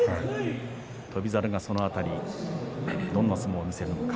翔猿がその辺りどんな相撲を見せるのか。